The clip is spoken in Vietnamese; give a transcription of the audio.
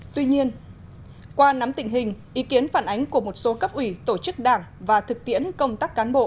tuy nhiên qua nắm tình hình ý kiến phản ánh của một số cấp ủy tổ chức đảng và thực tiễn công tác cán bộ